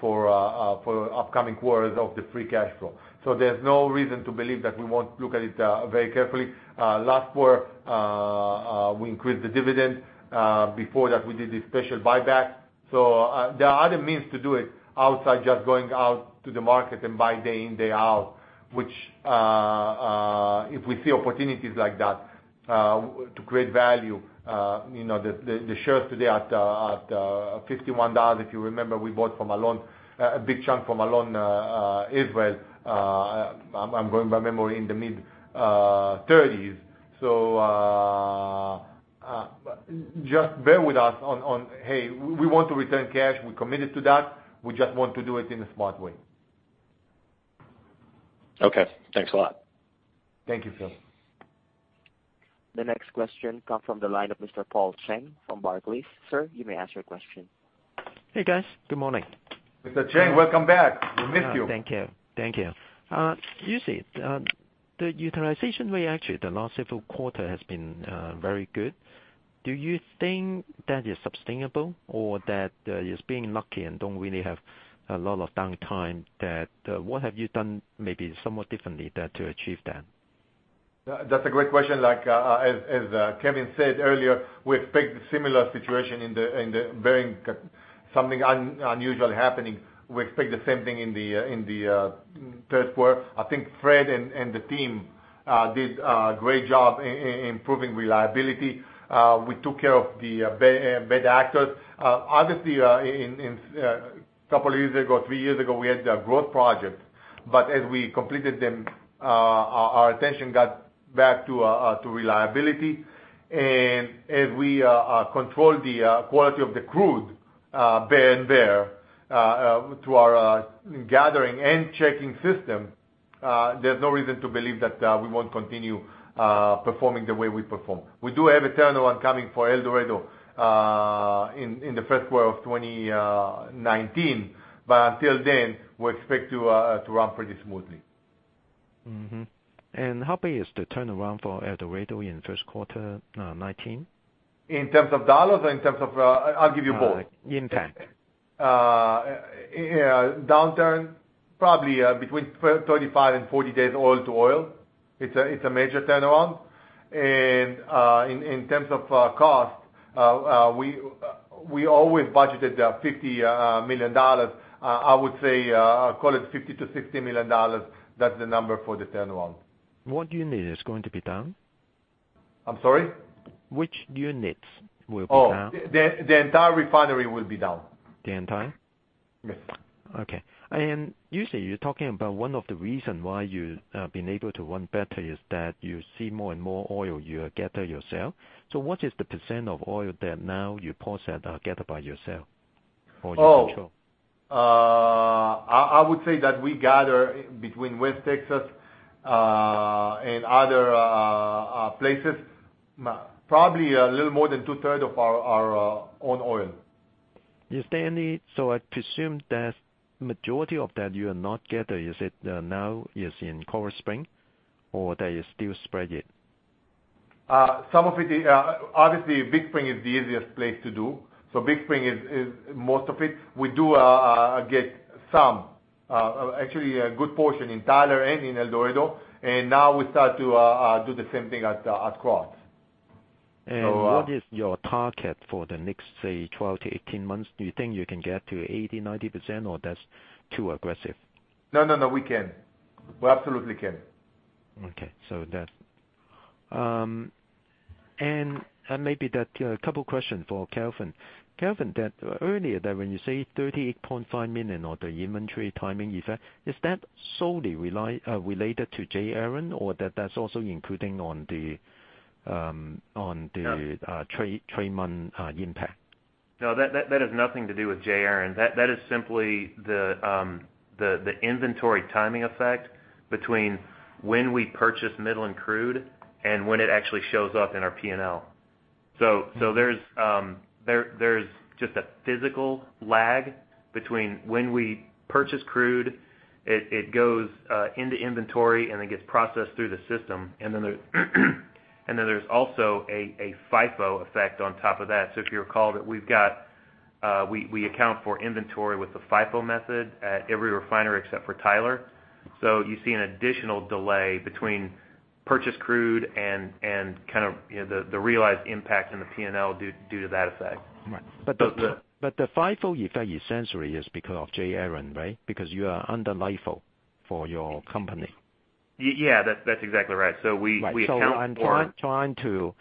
for upcoming quarters of the free cash flow. There's no reason to believe that we won't look at it very carefully. Last quarter, we increased the dividend. Before that, we did the special buyback. There are other means to do it outside just going out to the market and buy day in, day out, which if we see opportunities like that to create value. The shares today are at $51. If you remember, we bought from Alon, a big chunk from Alon Israel, I'm going by memory, in the mid-30s. Just bear with us on, hey, we want to return cash. We're committed to that. We just want to do it in a smart way. Okay. Thanks a lot. Thank you, Phil. The next question comes from the line of Mr. Paul Cheng from Barclays. Sir, you may ask your question. Hey, guys. Good morning. Mr. Cheng, welcome back. We miss you. Thank you. Uzi, the utilization rate actually the last several quarter has been very good. Do you think that is sustainable or that it's being lucky and do not really have a lot of downtime? What have you done maybe somewhat differently to achieve that? That's a great question. As Kevin said earlier, we expect a similar situation, barring something unusual happening, we expect the same thing in the first quarter. I think Fred and the team did a great job improving reliability. We took care of the bad actors. Obviously, a couple of years ago, three years ago, we had growth projects, but as we completed them, our attention got back to reliability. As we control the quality of the crude better and better through our gathering and checking system, there's no reason to believe that we won't continue performing the way we perform. We do have a turnaround coming for El Dorado in the first quarter of 2019, until then, we expect to run pretty smoothly. Mm-hmm. How big is the turnaround for El Dorado in first quarter 2019? In terms of dollars or in terms of I'll give you both. Impact. Downtime, probably between 35 and 40 days oil to oil. It's a major turnaround. In terms of cost, we always budgeted $50 million. I would say, call it $50 million-$60 million. That's the number for the turnaround. What unit is going to be down? I'm sorry? Which units will be down? Oh, the entire refinery will be down. The entire? Yes. Okay. Uzi, you're talking about one of the reason why you've been able to run better is that you see more and more oil you gather yourself. What is the % of oil that now you process gathered by yourself or you control? I would say that we gather between West Texas and other places, probably a little more than two-third of our own oil. I presume that majority of that you are not gather, you said now is in Big Spring or they still spread it? Obviously, Big Spring is the easiest place to do. Big Spring is most of it. We do get some, actually a good portion in Tyler and in El Dorado, and now we start to do the same thing at Krotz. What is your target for the next, say, 12 to 18 months? Do you think you can get to 80%, 90%, or that's too aggressive? No, we can. We absolutely can. Okay. Maybe that couple questions for Kevin. Kevin, that earlier that when you say $38.5 million or the inventory timing effect, is that solely related to J. Aron or that's also including on the- No trade month impact? No, that has nothing to do with J. Aron. That is simply the inventory timing effect between when we purchase Midland crude and when it actually shows up in our P&L. There's just a physical lag between when we purchase crude, it goes into inventory, and it gets processed through the system. There's also a FIFO effect on top of that. If you recall that we account for inventory with the FIFO method at every refinery except for Tyler. You see an additional delay between purchased crude and the realized impact in the P&L due to that effect. Right. The FIFO effect essentially is because of J. Aron, right? Because you are under FIFO for your company. Yeah, that's exactly right. We account for- Right. I'm trying to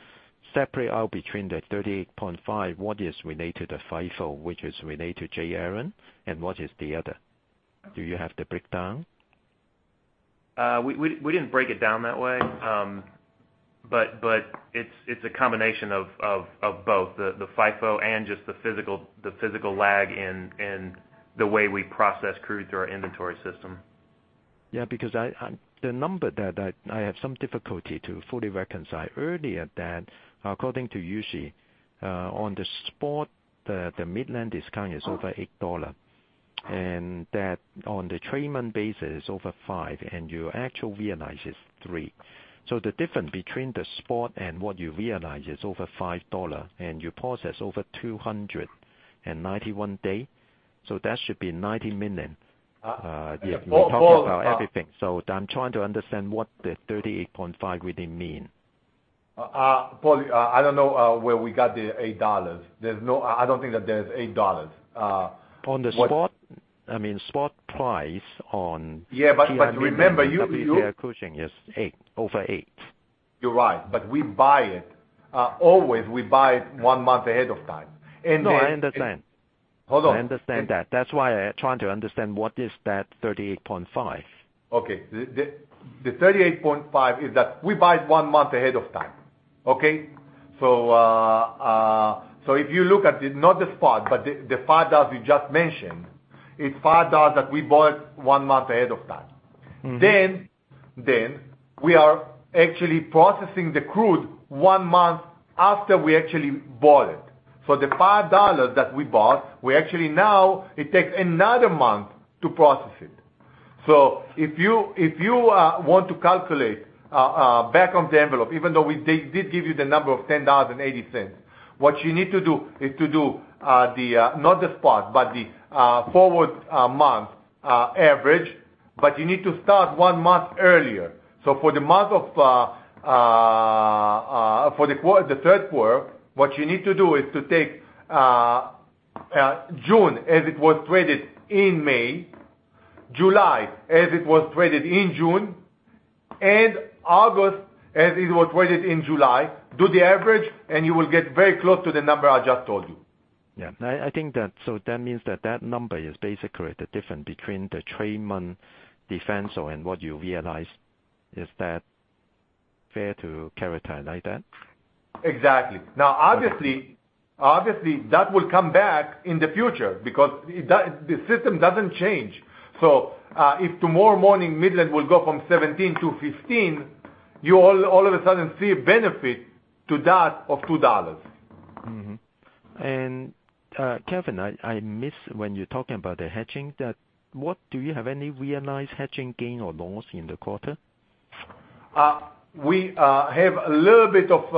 separate out between the $38.5 what is related to the FIFO, which is related to J. Aron, and what is the other. Do you have the breakdown? We didn't break it down that way. It's a combination of both, the FIFO and just the physical lag in the way we process crude through our inventory system. The number that I have some difficulty to fully reconcile. Earlier that according to Uzi, on the spot, the Midland discount is over $8. That on the three-month basis over $5, and you actual realize is $3. The difference between the spot and what you realize is over $5, and you process over 291 days. That should be $19 million. Paul- If we talk about everything. I'm trying to understand what the 38.5 really mean. Paul, I don't know where we got the $8. I don't think that there's $8. On the spot price on Yeah, remember you WTI Cushing is over $8. You're right. Always, we buy it one month ahead of time. Then No, I understand. Hold on. I understand that. That's why I trying to understand what is that 38.5. Okay. The 38.5 is that we buy it one month ahead of time. Okay? If you look at, not the spot, but the $5 you just mentioned. It's $5 that we bought one month ahead of time. We are actually processing the crude one month after we actually bought it. The $5 that we bought, we actually now, it takes another month to process it. If you want to calculate back on the envelope, even though we did give you the number of $10.80, what you need to do is to do, not the spot, but the forward month average, but you need to start one month earlier. For the third quarter, what you need to do is to take June as it was traded in May, July as it was traded in June, and August as it was traded in July. Do the average, and you will get very close to the number I just told you. Yeah. That means that number is basically the difference between the three-month differential and what you realize. Is that fair to characterize that? Exactly. Now, obviously, that will come back in the future because the system doesn't change. If tomorrow morning Midland will go from 17 to 15, you all of a sudden see a benefit to that of $2. Mm-hmm. Kevin, I missed when you're talking about the hedging. Do you have any realized hedging gain or loss in the quarter? We have a little bit of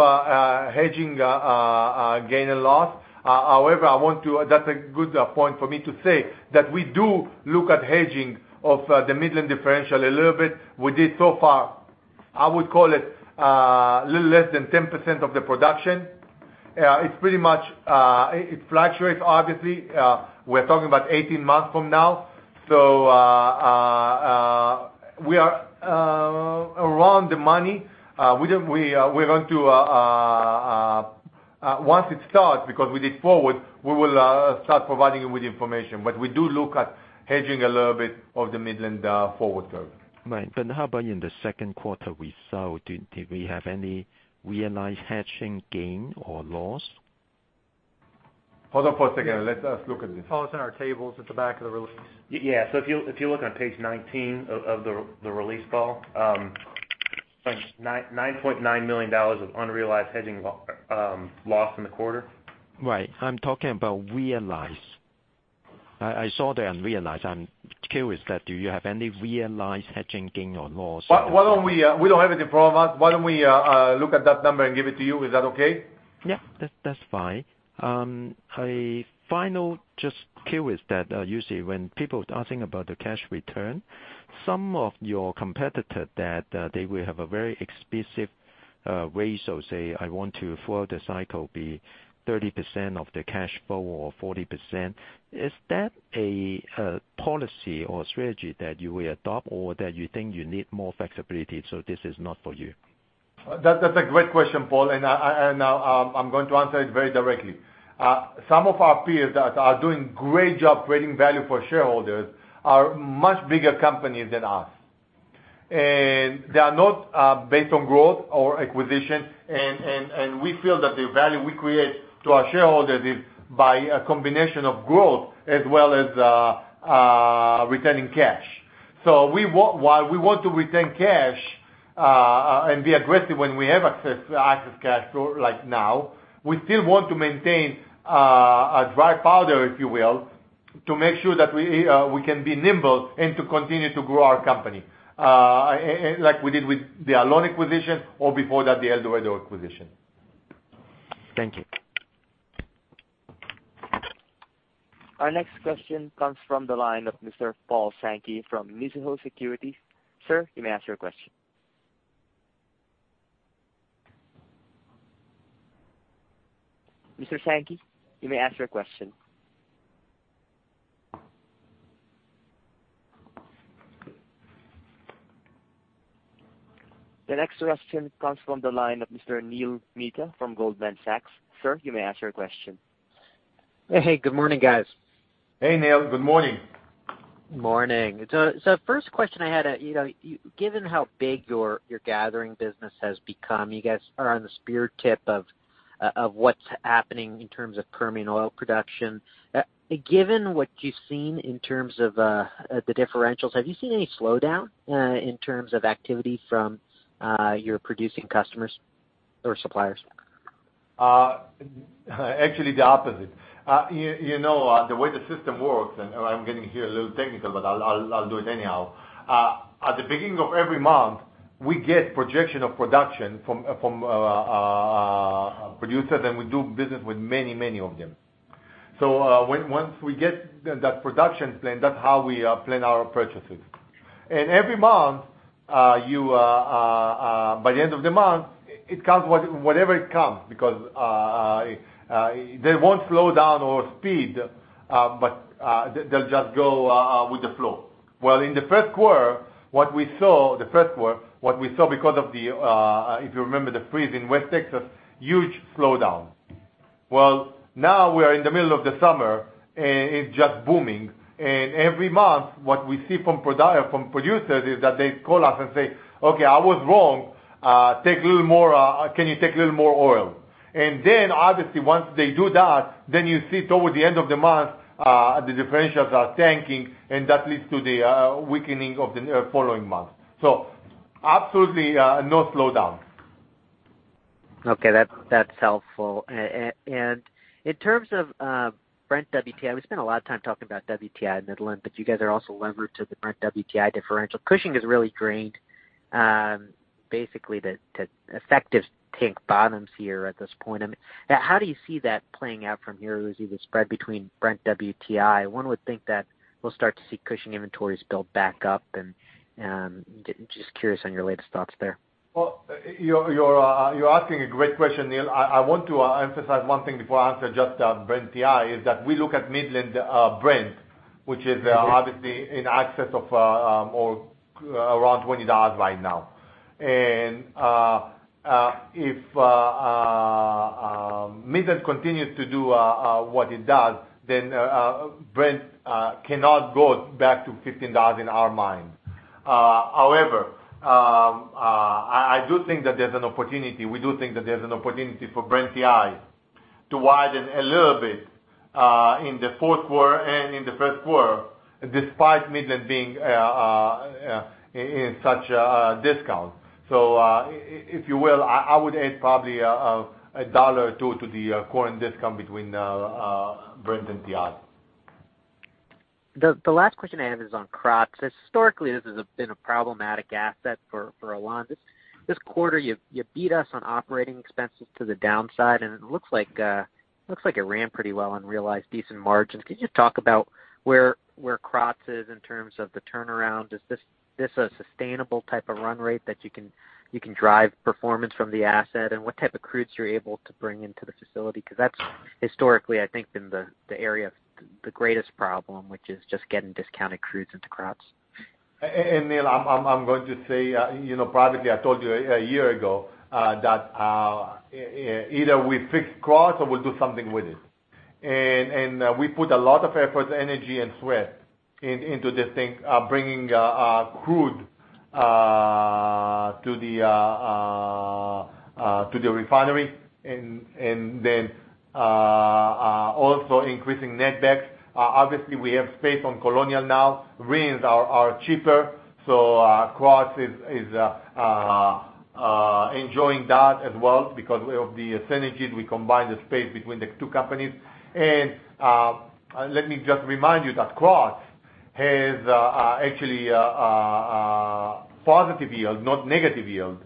hedging gain and loss. That's a good point for me to say that we do look at hedging of the Midland differential a little bit. We did so far, I would call it a little less than 10% of the production. It fluctuates, obviously. We're talking about 18 months from now. We are around the money. Once it starts, because we did forward, we will start providing you with the information. We do look at hedging a little bit of the Midland forward curve. Right. How about in the second quarter we saw, did we have any realized hedging gain or loss? Hold on for a second. Let us look at this. Paul, it's in our tables at the back of the release. Yeah. If you look on page 19 of the release, Paul Cheng. $9.9 million of unrealized hedging loss in the quarter. Right. I'm talking about realized. I saw the unrealized. I'm curious that, do you have any realized hedging gain or loss? We don't have anything in front of us. Why don't we look at that number and give it to you? Is that okay? Yeah. That's fine. A final just curious that usually when people are asking about the cash return, some of your competitor, that they will have a very explicit ratio, say, I want to, for the cycle, be 30% of the cash flow or 40%. Is that a policy or strategy that you will adopt or that you think you need more flexibility, so this is not for you? That's a great question, Paul, I'm going to answer it very directly. Some of our peers that are doing great job creating value for shareholders are much bigger companies than us. They are not based on growth or acquisition, and we feel that the value we create to our shareholders is by a combination of growth as well as retaining cash. While we want to retain cash, and be aggressive when we have access to excess cash flow like now, we still want to maintain a dry powder, if you will, to make sure that we can be nimble and to continue to grow our company. Like we did with the Alon acquisition or before that, the El Dorado acquisition. Thank you. Our next question comes from the line of Mr. Paul Sankey from Mizuho Securities. Sir, you may ask your question. Mr. Sankey, you may ask your question. The next question comes from the line of Mr. Neil Mehta from Goldman Sachs. Sir, you may ask your question. Hey. Good morning, guys. Hey, Neil. Good morning. Morning. First question I had, given how big your gathering business has become, you guys are on the spear tip of what's happening in terms of Permian oil production. Given what you've seen in terms of the differentials, have you seen any slowdown in terms of activity from your producing customers or suppliers? Actually, the opposite. The way the system works, I'm getting here a little technical, but I'll do it anyhow. At the beginning of every month, we get projection of production from producers, and we do business with many of them. Once we get that production plan, that's how we plan our purchases. Every month, by the end of the month, it comes whatever it comes, because they won't slow down or speed, but they'll just go with the flow. In the first quarter, what we saw because of the, if you remember, the freeze in West Texas, huge slowdown. Now we are in the middle of the summer, and it's just booming. Every month, what we see from producers is that they call us and say, "Okay, I was wrong. Can you take a little more oil?" Obviously, once they do that, you see towards the end of the month, the differentials are tanking, That leads to the weakening of the following month. Absolutely, no slowdown. Okay. That's helpful. In terms of Brent WTI, we spent a lot of time talking about WTI and Midland, but you guys are also levered to the Brent WTI differential. Cushing is really drained, basically to effective tank bottoms here at this point. How do you see that playing out from here, Uzi? The spread between Brent WTI. One would think that we'll start to see Cushing inventories build back up and just curious on your latest thoughts there. Well, you're asking a great question, Neil. I want to emphasize one thing before I answer just Brent WTI, is that we look at Midland-Brent spread, which is obviously in excess of or around $20 right now. If Midland continues to do what it does, then Brent cannot go back to $15 in our mind. However, I do think that there's an opportunity. We do think that there's an opportunity for Brent WTI to widen a little bit, in the fourth quarter and in the first quarter, despite Midland being in such a discount. If you will, I would add probably a dollar or two to the current discount between Brent and WTI. The last question I have is on Krotz. Historically, this has been a problematic asset for a while. This quarter, you beat us on operating expenses to the downside, and it looks like it ran pretty well and realized decent margins. Could you talk about where Krotz is in terms of the turnaround? Is this a sustainable type of run rate that you can drive performance from the asset? What type of crudes you're able to bring into the facility? Because that's historically, I think, been the area of the greatest problem, which is just getting discounted crudes into Krotz. Neil, I'm going to say, privately, I told you a year ago, that either we fix Krotz or we'll do something with it. We put a lot of effort, energy, and sweat into this thing, bringing crude to the refinery and then also increasing netbacks. Obviously, we have space on Colonial now. Rates are cheaper. Krotz is enjoying that as well because of the synergies. We combine the space between the two companies. Let me just remind you that Krotz has actually a positive yield, not negative yield.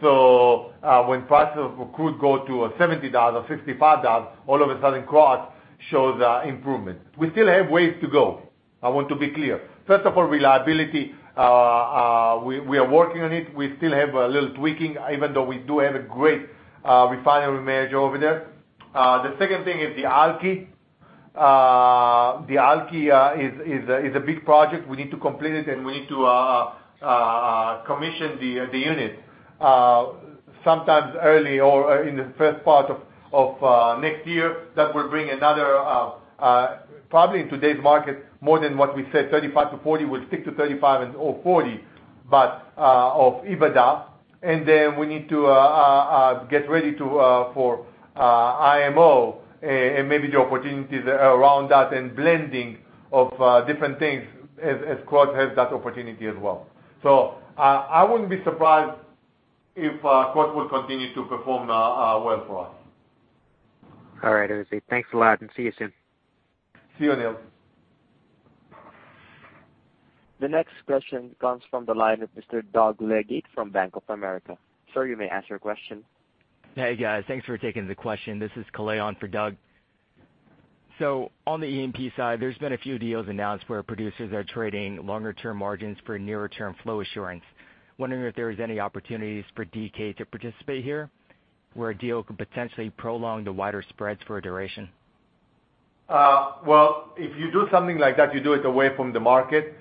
When prices of crude go to $70 or $65, all of a sudden, Krotz shows improvement. We still have ways to go. I want to be clear. First of all, reliability, we are working on it. We still have a little tweaking, even though we do have a great refinery manager over there. The second thing is the Alky. The Alky is a big project. We need to complete it, and we need to commission the unit. Sometime early or in the first part of next year, that will bring another, probably in today's market, more than what we said, 35-40. We'll stick to 35 and 40 of EBITDA. Then we need to get ready for IMO and maybe the opportunities around that and blending of different things as Krotz has that opportunity as well. I wouldn't be surprised if Krotz will continue to perform well for us. All right, Uzi. Thanks a lot and see you soon. See you, Neil. The next question comes from the line of Mr. Doug Leggate from Bank of America. Sir, you may ask your question. Hey, guys. Thanks for taking the question. This is Kalei for Doug. On the E&P side, there's been a few deals announced where producers are trading longer-term margins for nearer-term flow assurance. Wondering if there is any opportunities for DK to participate here, where a deal could potentially prolong the wider spreads for a duration? If you do something like that, you do it away from the market.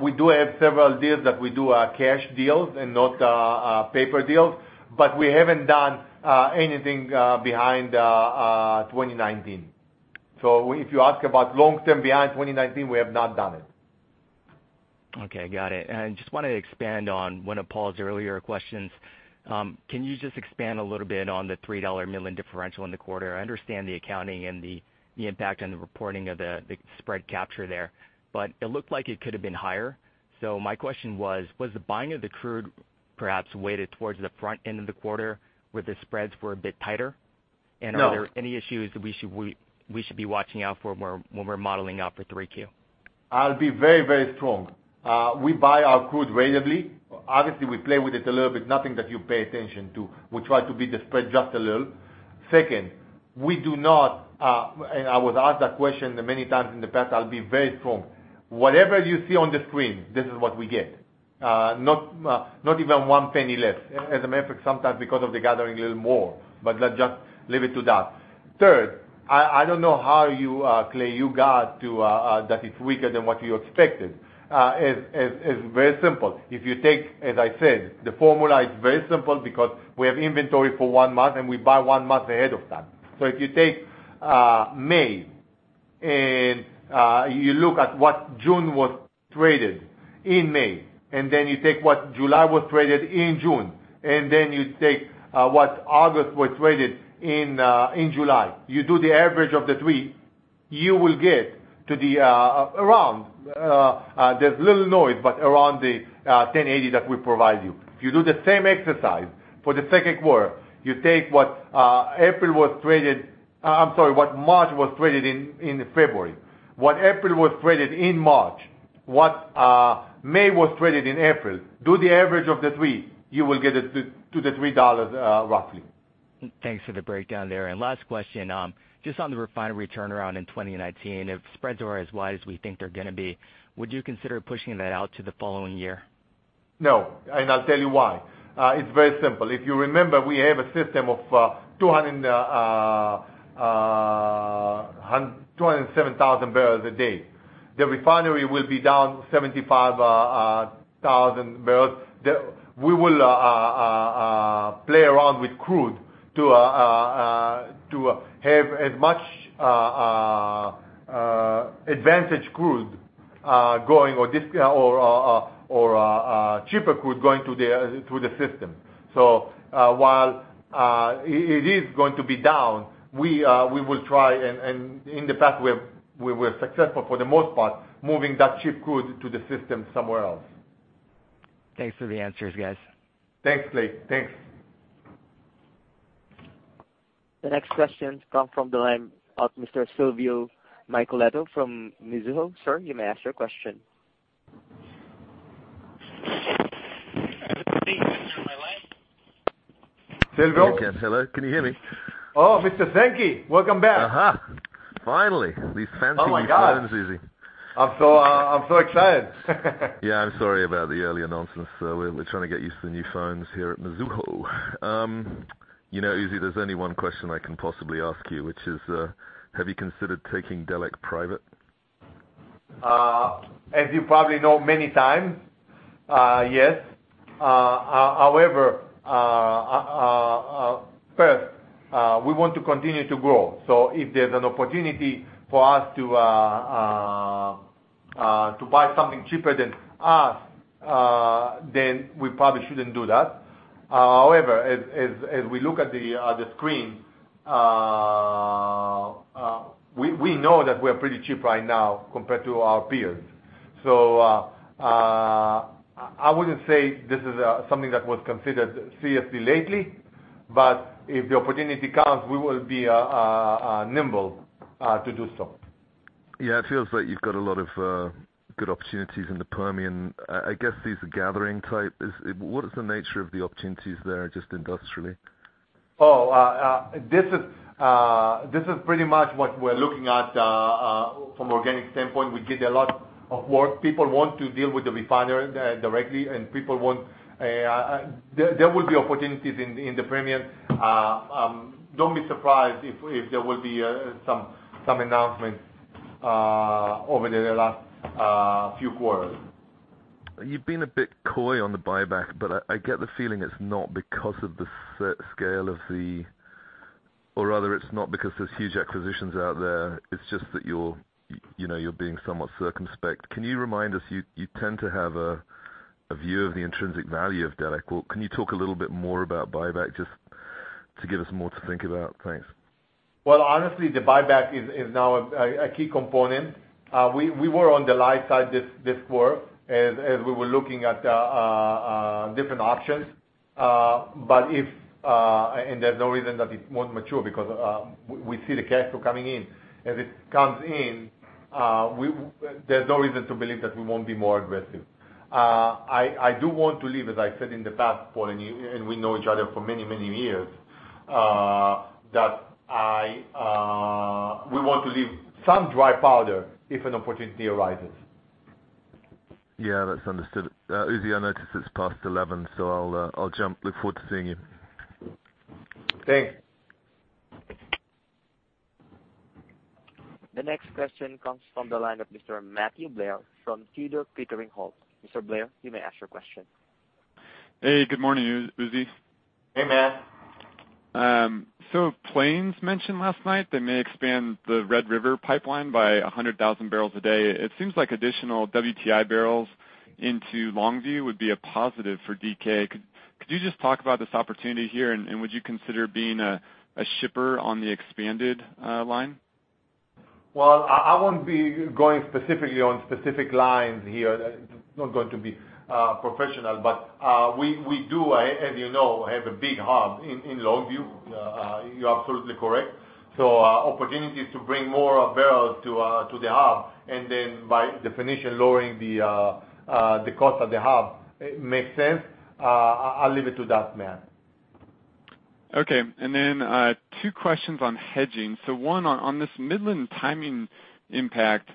We do have several deals that we do cash deals and not paper deals, but we haven't done anything behind 2019. If you ask about long-term beyond 2019, we have not done it. Okay, got it. Just wanted to expand on one of Paul's earlier questions. Can you just expand a little bit on the $3 Midland differential in the quarter? I understand the accounting and the impact on the reporting of the spread capture there, but it looked like it could have been higher. My question was the buying of the crude perhaps weighted towards the front end of the quarter where the spreads were a bit tighter? Are there any issues that we should be watching out for when we're modeling out for 3Q? I'll be very, very strong. We buy our crude variably. Obviously, we play with it a little bit, nothing that you pay attention to. We try to be the spread just a little. Second, we do not, and I was asked that question many times in the past, I'll be very strong. Whatever you see on the screen, this is what we get. Not even one penny less. As a matter of fact, sometimes because of the gathering, a little more. Let's just leave it to that. Third, I don't know how you, Kalei, you got to that it's weaker than what you expected. It's very simple. If you take, as I said, the formula is very simple because we have inventory for one month, and we buy one month ahead of time. If you take May, you look at what June was traded in May, you take what July was traded in June, you take what August was traded in July. You do the average of the three, you will get to the around, there's little noise, but around the $10.80 that we provide you. If you do the same exercise for the second quarter, you take what April was traded, what March was traded in February, what April was traded in March, what May was traded in April. Do the average of the three, you will get it to the $3 roughly. Thanks for the breakdown there. Last question, just on the refinery turnaround in 2019. If spreads are as wide as we think they're gonna be, would you consider pushing that out to the following year? No, I'll tell you why. It's very simple. If you remember, we have a system of 207,000 barrels a day. The refinery will be down 75,000 barrels. We will play around with crude to have as much advantage crude going or cheaper crude going through the system. While it is going to be down, we will try, and in the past, we were successful for the most part, moving that cheap crude to the system somewhere else. Thanks for the answers, guys. Thanks, Kalei. Thanks. The next questions come from the line of Mr. Silvio Micheloto from Mizuho. Sir, you may ask your question. Silvio. Hello. Can you hear me? Oh, Mr. Sankey. Welcome back. Finally, these fancy- Oh my God new phones, Uzi. I'm so excited. Yeah, I'm sorry about the earlier nonsense. We're trying to get used to the new phones here at Mizuho. Uzi, there's only one question I can possibly ask you, which is, have you considered taking Delek private? As you probably know, many times, yes. First, we want to continue to grow. If there's an opportunity for us to buy something cheaper than us, then we probably shouldn't do that. As we look at the screen, we know that we're pretty cheap right now compared to our peers. I wouldn't say this is something that was considered seriously lately, but if the opportunity comes, we will be nimble to do so. Yeah, it feels like you've got a lot of good opportunities in the Permian. I guess these are gathering type. What is the nature of the opportunities there, just industrially? Oh, this is pretty much what we're looking at from organic standpoint. We get a lot of work. People want to deal with the refinery directly, and there will be opportunities in the Permian. Don't be surprised if there will be some announcement over the last few quarters. You've been a bit coy on the buyback, but I get the feeling it's not because of the scale of the, or rather, it's not because there's huge acquisitions out there, it's just that you're being somewhat circumspect. Can you remind us, you tend to have a view of the intrinsic value of Delek. Well, can you talk a little bit more about buyback just to give us more to think about? Thanks. Well, honestly, the buyback is now a key component. We were on the live side this quarter as we were looking at different options. There's no reason that it won't mature because we see the cash flow coming in. As it comes in, there's no reason to believe that we won't be more aggressive. I do want to leave, as I said in the past, Paul, and we know each other for many, many years, that we want to leave some dry powder if an opportunity arises. Yeah, that's understood. Uzi, I notice it's past 11:00 A.M., so I'll jump. Look forward to seeing you. Thanks. The next question comes from the line of Mr. Matthew Blair from Tudor, Pickering, Holt & Co. Mr. Blair, you may ask your question. Hey, good morning, Uzi. Hey, Matt. Plains mentioned last night they may expand the Red River Pipeline by 100,000 barrels a day. It seems like additional WTI barrels into Longview would be a positive for DK. Could you just talk about this opportunity here, and would you consider being a shipper on the expanded line? I won't be going specifically on specific lines here. It's not going to be professional. We do, as you know, have a big hub in Longview. You're absolutely correct. Opportunities to bring more barrels to the hub, and then by definition, lowering the cost of the hub makes sense. I'll leave it to that, Matt. Two questions on hedging. One, on this Midland timing impact,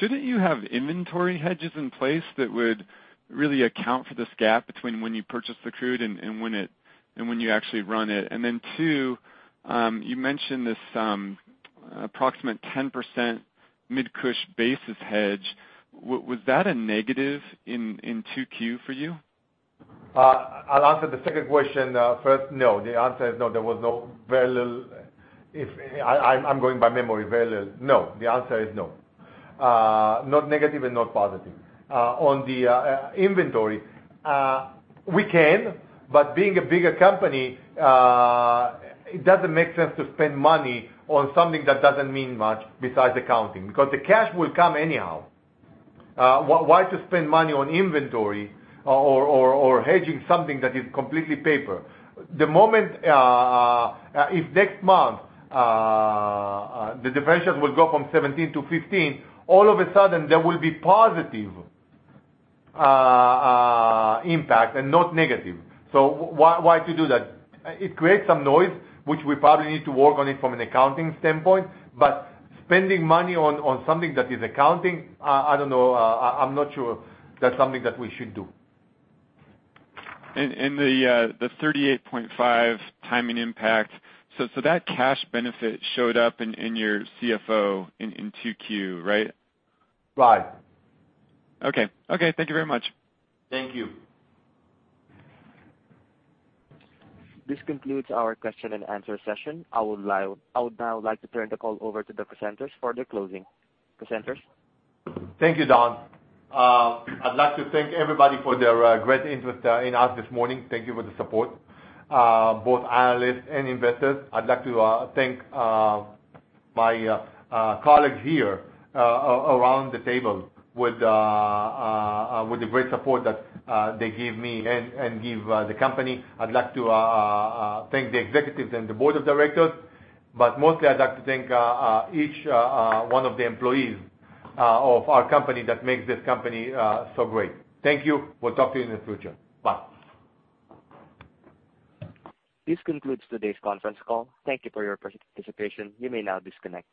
shouldn't you have inventory hedges in place that would really account for this gap between when you purchase the crude and when you actually run it? Two, you mentioned this approximate 10% Mid-Cush basis hedge. Was that a negative in 2Q for you? I'll answer the second question first. No. The answer is no. There was no barrel. I'm going by memory. No. The answer is no. Not negative and not positive. On the inventory, we can, being a bigger company, it doesn't make sense to spend money on something that doesn't mean much besides accounting, because the cash will come anyhow. Why to spend money on inventory or hedging something that is completely paper? If next month, the difference will go from 17 to 15, all of a sudden, there will be positive impact and not negative. Why to do that? It creates some noise, which we probably need to work on it from an accounting standpoint, but spending money on something that is accounting, I don't know. I'm not sure that's something that we should do. The 38.5 timing impact, that cash benefit showed up in your CFO in 2Q, right? Right. Okay. Thank you very much. Thank you. This concludes our question and answer session. I would now like to turn the call over to the presenters for their closing. Presenters? Thank you, Don. I'd like to thank everybody for their great interest in us this morning. Thank you for the support, both analysts and investors. I'd like to thank my colleagues here around the table with the great support that they give me and give the company. I'd like to thank the executives and the board of directors, but mostly I'd like to thank each one of the employees of our company that makes this company so great. Thank you. We'll talk to you in the future. Bye. This concludes today's conference call. Thank you for your participation. You may now disconnect.